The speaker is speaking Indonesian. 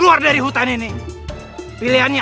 wah kalau gitu gak ada pilihan lain